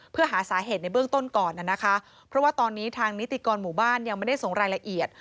เพื่อหาสาเหตุในเบื้องต้นก่อนนะคะเพราะว่าตอนนี้ทางนิติกรหมู่บ้านยังไม่ได้ส่งรายละเอียด